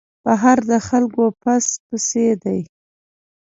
بهر د خلکو پس پسي دی.